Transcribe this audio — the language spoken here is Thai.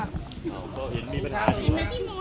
อ้าวก็เห็นมีปัญหาอยู่